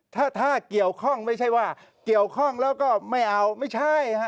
ถ้าถ้าเกี่ยวข้องไม่ใช่ว่าเกี่ยวข้องแล้วก็ไม่เอาไม่ใช่ฮะ